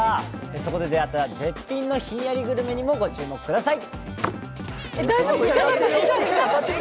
そこで出会った絶品のひんやりグルメにもご注目ください。